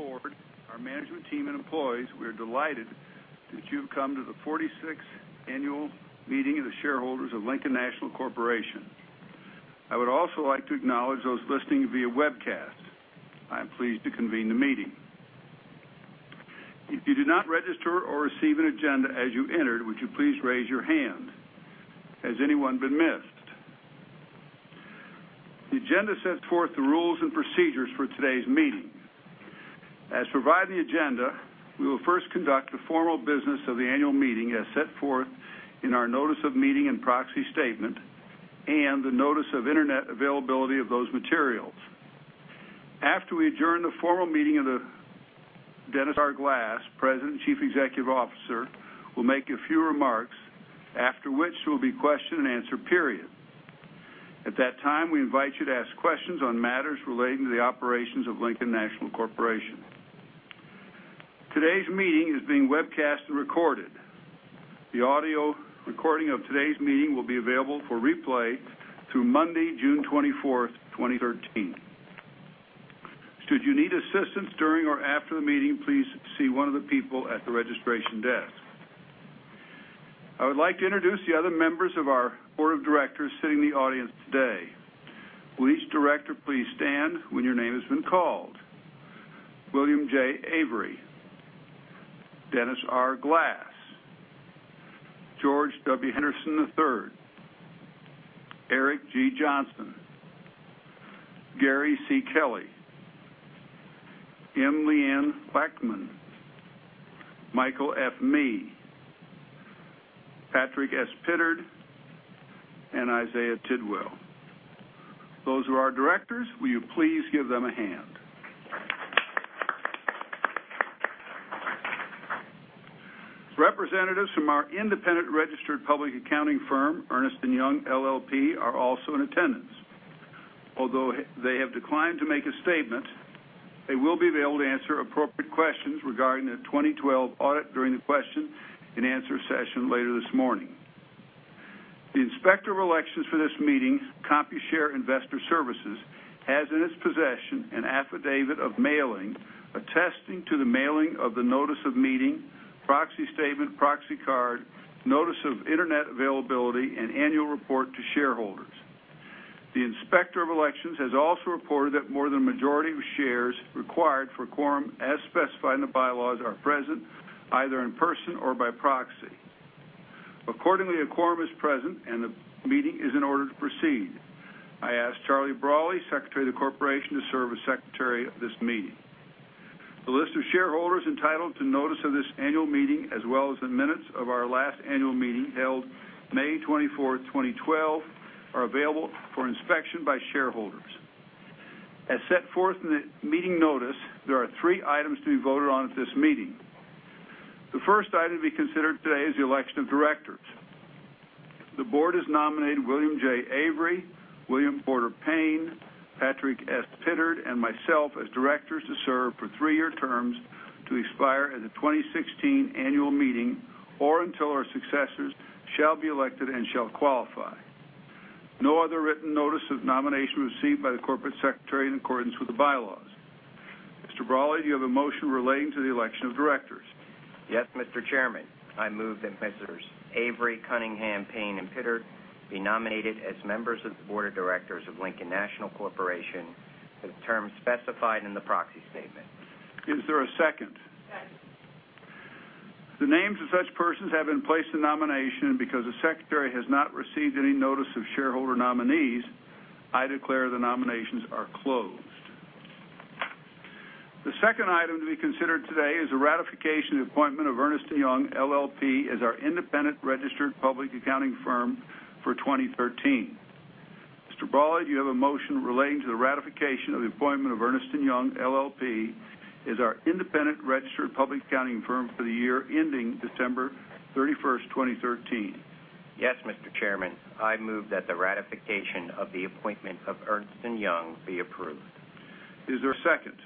On behalf of the board, our management team, and employees, we are delighted that you've come to the 46th Annual Meeting of the Shareholders of Lincoln National Corporation. I would also like to acknowledge those listening via webcast. I am pleased to convene the meeting. If you did not register or receive an agenda as you entered, would you please raise your hand? Has anyone been missed? The agenda sets forth the rules and procedures for today's meeting. As provided in the agenda, we will first conduct the formal business of the annual meeting as set forth in our notice of meeting and proxy statement, and the notice of internet availability of those materials. After we adjourn the formal meeting, Dennis R. Glass, President and Chief Executive Officer, will make a few remarks, after which there will be a question and answer period. At that time, we invite you to ask questions on matters relating to the operations of Lincoln National Corporation. Today's meeting is being webcast and recorded. The audio recording of today's meeting will be available for replay through Monday, June 24th, 2013. Should you need assistance during or after the meeting, please see one of the people at the registration desk. I would like to introduce the other members of our board of directors sitting in the audience today. Will each director please stand when your name has been called? William J. Avery. Dennis R. Glass. George W. Henderson III. Eric G. Johnson. Gary C. Kelly. M. Leanne Lachman. Michael F. Meehan. Patrick S. Pittard, and Isaiah Tidwell. Those are our directors. Will you please give them a hand? Representatives from our independent registered public accounting firm, Ernst & Young LLP, are also in attendance. Although they have declined to make a statement, they will be available to answer appropriate questions regarding the 2012 audit during the question and answer session later this morning. The Inspector of Elections for this meeting, Computershare Investor Services, has in its possession an affidavit of mailing, attesting to the mailing of the notice of meeting, proxy statement, proxy card, notice of internet availability, and annual report to shareholders. The Inspector of Elections has also reported that more than the majority of shares required for quorum, as specified in the bylaws, are present, either in person or by proxy. Accordingly, a quorum is present, and the meeting is in order to proceed. I ask Charlie Brawley, Secretary of the Corporation, to serve as Secretary of this meeting. The list of shareholders entitled to notice of this annual meeting, as well as the minutes of our last annual meeting held May 24, 2012, are available for inspection by shareholders. As set forth in the meeting notice, there are three items to be voted on at this meeting. The first item to be considered today is the election of directors. The board has nominated William J. Avery, William Porter Payne, Patrick S. Pittard, and myself as directors to serve for three-year terms to expire at the 2016 annual meeting or until our successors shall be elected and shall qualify. No other written notice of nomination was received by the corporate secretary in accordance with the bylaws. Mr. Brawley, do you have a motion relating to the election of directors? Yes, Mr. Chairman. I move that Messrs. Avery, Cunningham, Payne, and Pittard be nominated as members of the Board of Directors of Lincoln National Corporation for the term specified in the proxy statement. Is there a second? Second. The names of such persons have been placed in nomination, and because the Secretary has not received any notice of shareholder nominees, I declare the nominations are closed. The second item to be considered today is the ratification of the appointment of Ernst & Young LLP as our independent registered public accounting firm for 2013. Mr. Brawley, do you have a motion relating to the ratification of the appointment of Ernst & Young LLP as our independent registered public accounting firm for the year ending December 31st, 2013? Yes, Mr. Chairman. I move that the ratification of the appointment of Ernst & Young be approved. Is there a second? Second.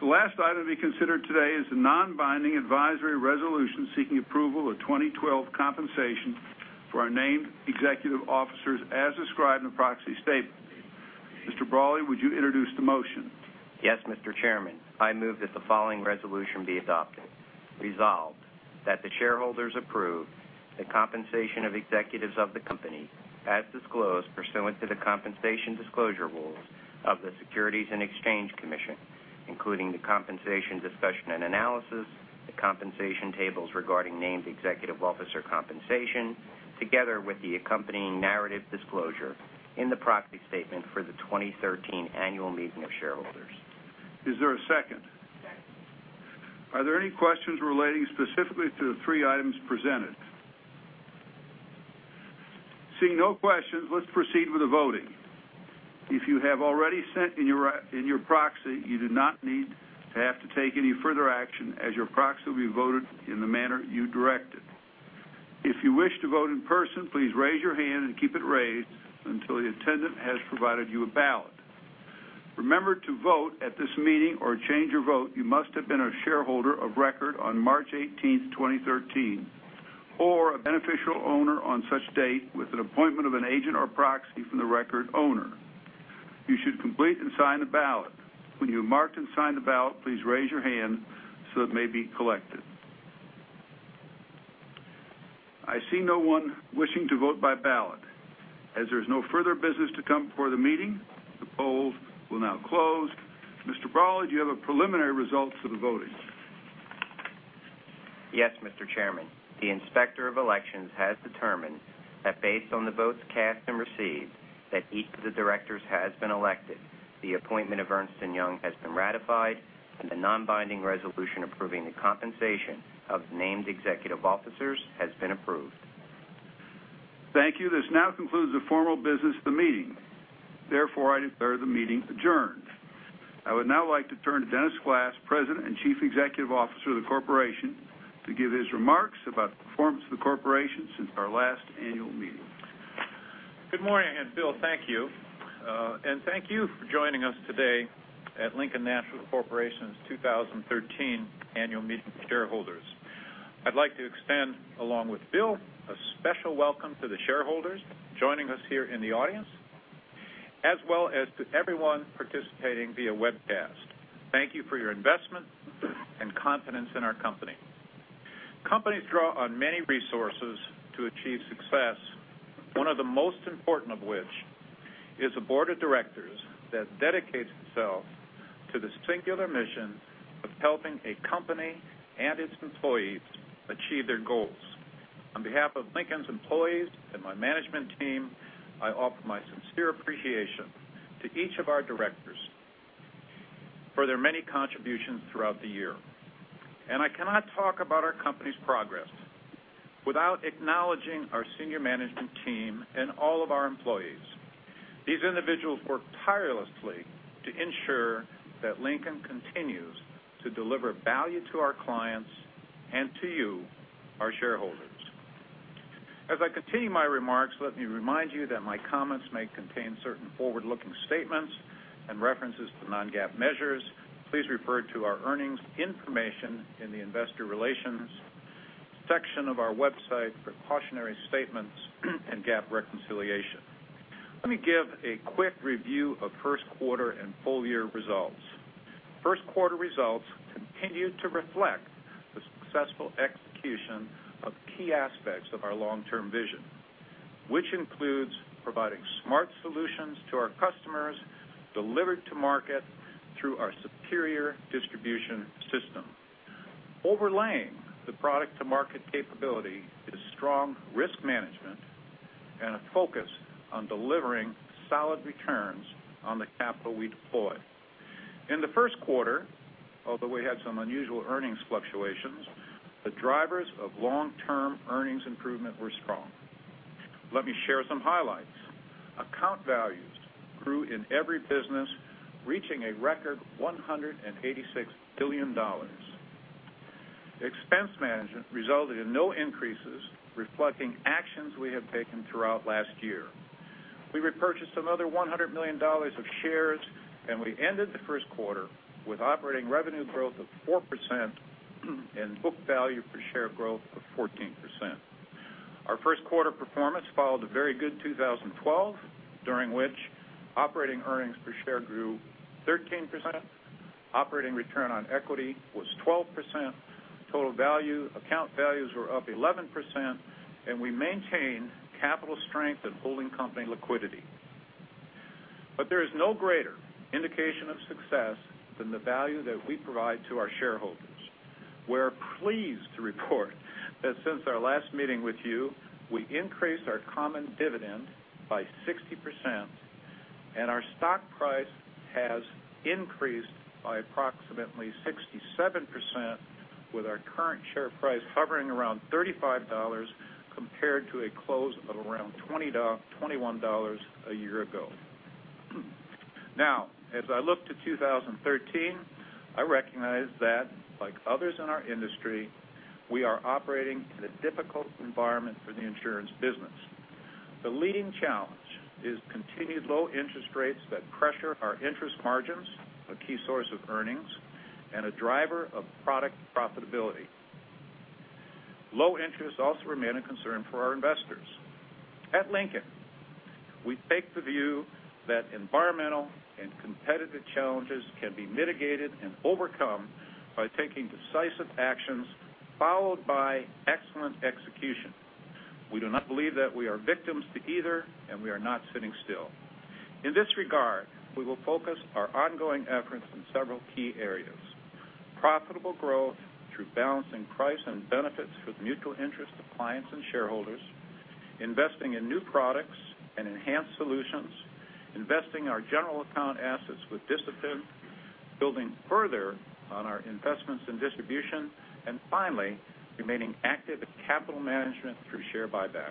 The last item to be considered today is the non-binding advisory resolution seeking approval of 2012 compensation for our named executive officers as described in the proxy statement. Mr. Brawley, would you introduce the motion? Yes, Mr. Chairman. I move that the following resolution be adopted. Resolved, that the shareholders approve the compensation of executives of the company, as disclosed pursuant to the compensation disclosure rules of the Securities and Exchange Commission, including the compensation discussion and analysis, the compensation tables regarding named executive officer compensation, together with the accompanying narrative disclosure in the proxy statement for the 2013 annual meeting of shareholders. Is there a second? Second. Are there any questions relating specifically to the three items presented? Seeing no questions, let's proceed with the voting. If you have already sent in your proxy, you do not need to take any further action as your proxy will be voted in the manner you directed. If you wish to vote in person, please raise your hand and keep it raised until the attendant has provided you a ballot. Remember, to vote at this meeting or change your vote, you must have been a shareholder of record on March 18th, 2013. Or a beneficial owner on such date with an appointment of an agent or proxy from the record owner. You should complete and sign a ballot. When you have marked and signed the ballot, please raise your hand so it may be collected. I see no one wishing to vote by ballot. There is no further business to come before the meeting, the polls will now close. Mr. Brawley, do you have a preliminary result to the voting? Yes, Mr. Chairman. The Inspector of Elections has determined that based on the votes cast and received, that each of the directors has been elected, the appointment of Ernst & Young has been ratified, and the non-binding resolution approving the compensation of named executive officers has been approved. Thank you. This now concludes the formal business of the meeting. I declare the meeting adjourned. I would now like to turn to Dennis Glass, President and Chief Executive Officer of the corporation, to give his remarks about the performance of the corporation since our last annual meeting. Good morning, Bill, thank you. Thank you for joining us today at Lincoln National Corporation's 2013 Annual Meeting of Shareholders. I'd like to extend, along with Bill, a special welcome to the shareholders joining us here in the audience, as well as to everyone participating via webcast. Thank you for your investment and confidence in our company. Companies draw on many resources to achieve success. One of the most important of which is a board of directors that dedicates itself to the singular mission of helping a company and its employees achieve their goals. On behalf of Lincoln's employees and my management team, I offer my sincere appreciation to each of our directors for their many contributions throughout the year. I cannot talk about our company's progress without acknowledging our senior management team and all of our employees. These individuals work tirelessly to ensure that Lincoln continues to deliver value to our clients and to you, our shareholders. As I continue my remarks, let me remind you that my comments may contain certain forward-looking statements and references to non-GAAP measures. Please refer to our earnings information in the investor relations section of our website for cautionary statements and GAAP reconciliation. Let me give a quick review of first quarter and full year results. First quarter results continued to reflect the successful execution of key aspects of our long-term vision, which includes providing smart solutions to our customers delivered to market through our superior distribution system. Overlaying the product to market capability is strong risk management and a focus on delivering solid returns on the capital we deploy. In the first quarter, although we had some unusual earnings fluctuations, the drivers of long-term earnings improvement were strong. Let me share some highlights. Account values grew in every business, reaching a record $186 billion. Expense management resulted in no increases, reflecting actions we have taken throughout last year. We repurchased another $100 million of shares. We ended the first quarter with operating revenue growth of 4% and book value per share growth of 14%. Our first quarter performance followed a very good 2012, during which operating earnings per share grew 13%, operating return on equity was 12%, total account values were up 11%. We maintained capital strength and holding company liquidity. There is no greater indication of success than the value that we provide to our shareholders. We are pleased to report that since our last meeting with you, we increased our common dividend by 60% and our stock price has increased by approximately 67% with our current share price hovering around $35 compared to a close of around $21 a year ago. Now, as I look to 2013, I recognize that, like others in our industry, we are operating in a difficult environment for the insurance business. The leading challenge is continued low interest rates that pressure our interest margins, a key source of earnings, and a driver of product profitability. Low interest also remain a concern for our investors. At Lincoln, we take the view that environmental and competitive challenges can be mitigated and overcome by taking decisive actions followed by excellent execution. We do not believe that we are victims to either. We are not sitting still. In this regard, we will focus our ongoing efforts in several key areas, profitable growth through balancing price and benefits with mutual interest of clients and shareholders, investing in new products and enhanced solutions, investing our general account assets with discipline, building further on our investments in distribution, and finally, remaining active in capital management through share buybacks.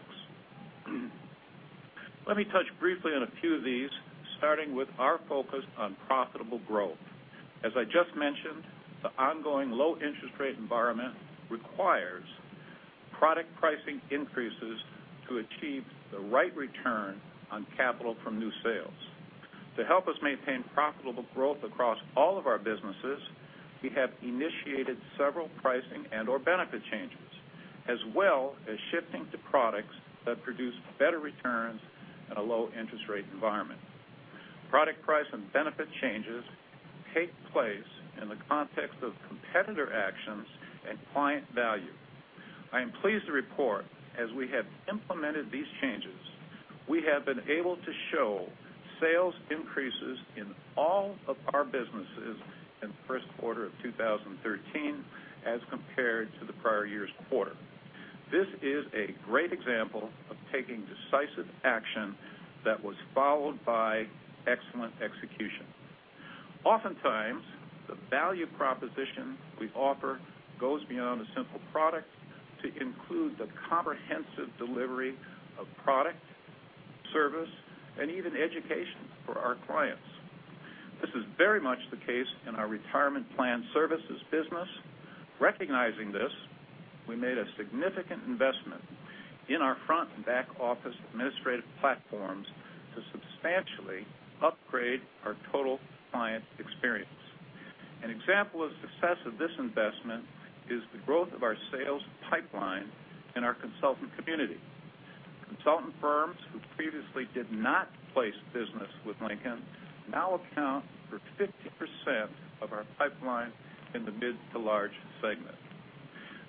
Let me touch briefly on a few of these, starting with our focus on profitable growth. As I just mentioned, the ongoing low interest rate environment requires product pricing increases to achieve the right return on capital from new sales. To help us maintain profitable growth across all of our businesses, we have initiated several pricing and/or benefit changes, as well as shifting to products that produce better returns in a low interest rate environment. Product price and benefit changes take place in the context of competitor actions and client value. I am pleased to report, as we have implemented these changes, we have been able to show sales increases in all of our businesses in the first quarter of 2013 as compared to the prior year's quarter. This is a great example of taking decisive action that was followed by excellent execution. Oftentimes, the value proposition we offer goes beyond a simple product to include the comprehensive delivery of product, service, and even education for our clients. This is very much the case in our retirement plan services business. Recognizing this, we made a significant investment in our front and back office administrative platforms to substantially upgrade our total client experience. An example of success of this investment is the growth of our sales pipeline in our consultant community. Consultant firms who previously did not place business with Lincoln now account for 50% of our pipeline in the mid to large segment.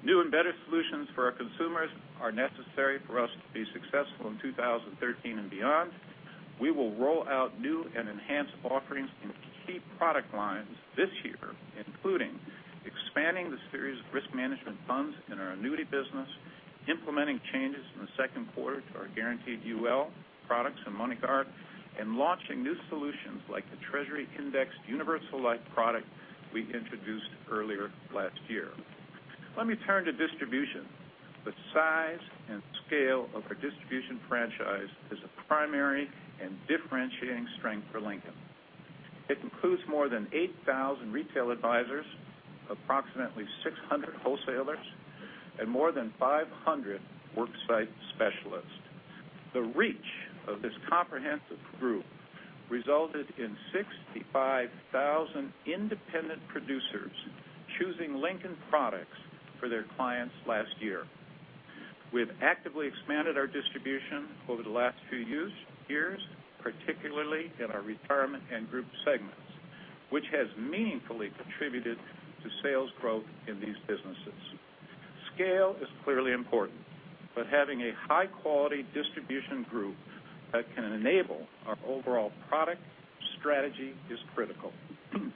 New and better solutions for our consumers are necessary for us to be successful in 2013 and beyond. We will roll out new and enhanced offerings in key product lines this year, including expanding the series of risk management funds in our annuity business, implementing changes in the second quarter to our guaranteed UL products and MoneyGuard, and launching new solutions like the Treasury Indexed Universal Life product we introduced earlier last year. Let me turn to distribution. The size and scale of our distribution franchise is a primary and differentiating strength for Lincoln. It includes more than 8,000 retail advisors, approximately 600 wholesalers, and more than 500 work site specialists. The reach of this comprehensive group resulted in 65,000 independent producers choosing Lincoln products for their clients last year. We have actively expanded our distribution over the last few years, particularly in our retirement and group segments, which has meaningfully contributed to sales growth in these businesses. Scale is clearly important, having a high-quality distribution group that can enable our overall product strategy is critical.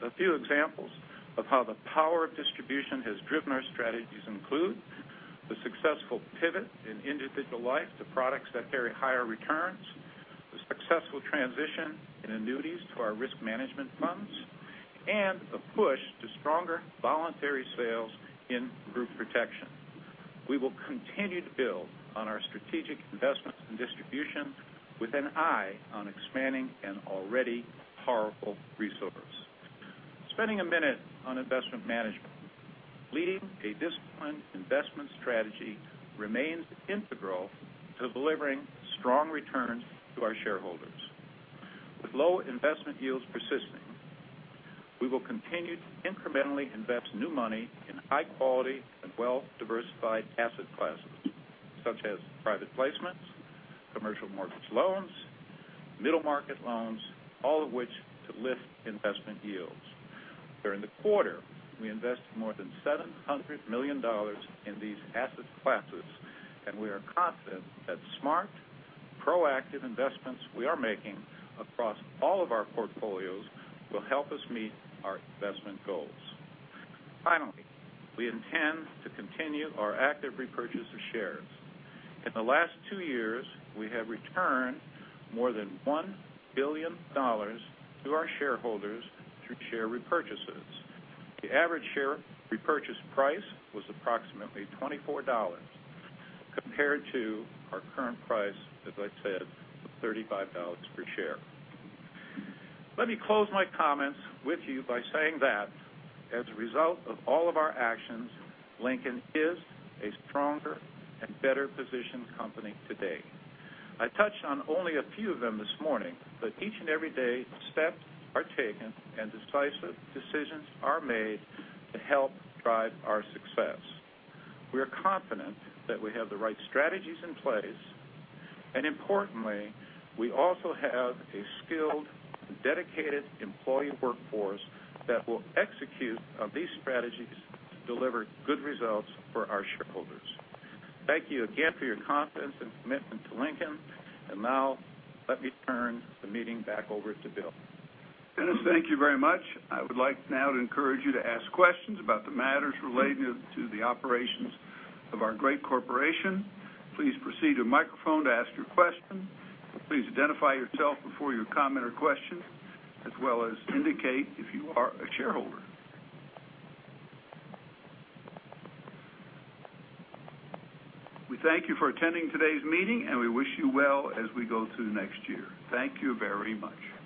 A few examples of how the power of distribution has driven our strategies include the successful pivot in individual life to products that carry higher returns, the successful transition in annuities to our risk management funds, and a push to stronger voluntary sales in group protection. We will continue to build on our strategic investments in distribution with an eye on expanding an already powerful resource. Spending a minute on investment management. Leading a disciplined investment strategy remains integral to delivering strong returns to our shareholders. With low investment yields persisting, we will continue to incrementally invest new money in high quality and well-diversified asset classes such as private placements, commercial mortgage loans, middle market loans, all of which to lift investment yields. During the quarter, we invested more than $700 million in these asset classes, and we are confident that smart, proactive investments we are making across all of our portfolios will help us meet our investment goals. We intend to continue our active repurchase of shares. In the last two years, we have returned more than $1 billion to our shareholders through share repurchases. The average share repurchase price was approximately $24, compared to our current price, as I said, of $35 per share. Let me close my comments with you by saying that as a result of all of our actions, Lincoln is a stronger and better-positioned company today. I touched on only a few of them this morning. Each and every day, steps are taken and decisive decisions are made to help drive our success. We are confident that we have the right strategies in place. Importantly, we also have a skilled and dedicated employee workforce that will execute on these strategies to deliver good results for our shareholders. Thank you again for your confidence and commitment to Lincoln. Now, let me turn the meeting back over to Bill. Dennis, thank you very much. I would like now to encourage you to ask questions about the matters relating to the operations of our great corporation. Please proceed to a microphone to ask your question. Please identify yourself before your comment or question, as well as indicate if you are a shareholder. We thank you for attending today's meeting. We wish you well as we go through next year. Thank you very much.